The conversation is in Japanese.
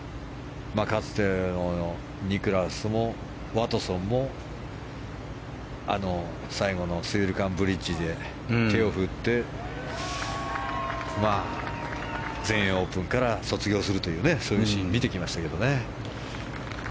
かつてのニクラウスもワトソンも最後のブリッジで手を振って全英オープンを卒業するというシーンを見てきましたからね。